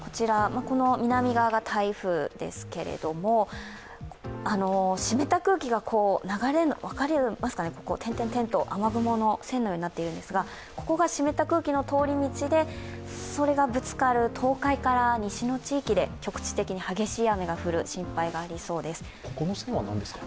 南側が台風ですけれども、湿った空気が流れるのが分かりますか、点々と雨雲の線のようになっているんですが、ここが湿った空気の通り道で、ここがぶつかる東海から西の地域で局地的に激しい雨の降る心配がありそうです。